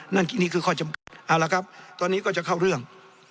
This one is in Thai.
นี่คือข้อจำกัดเอาละครับตอนนี้ก็จะเข้าเรื่อง